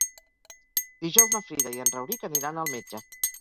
Dijous na Frida i en Rauric aniran al metge.